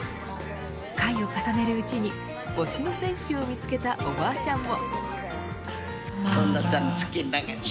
回を重ねるうちに推しの選手を見つけたおばあちゃんも。